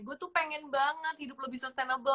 gue tuh pengen banget hidup lebih sustainable